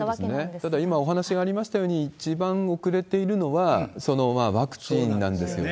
ただ、今お話ありましたように、一番遅れているのはワクチンなんですよね。